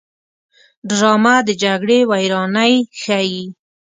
ډرامه د جګړې ویرانۍ ښيي